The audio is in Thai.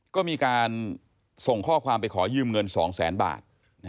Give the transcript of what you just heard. ก็มีการส่งข้อความไปขอยืมเงิน๒แสนบาท